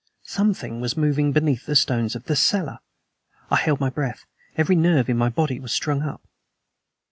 Something was moving beneath the stones of the cellar. I held my breath; every nerve in my body was strung up.